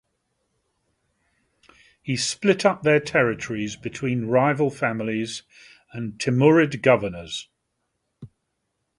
He split up their territories between rival families and Timurid governors.